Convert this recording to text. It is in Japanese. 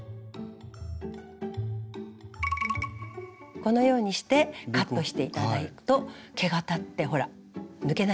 このようにしてカットして頂くと毛が立ってほら抜けないでしょ？